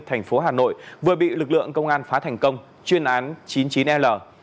thành phố hà nội vừa bị lực lượng công an phá thành công chuyên án chín mươi chín l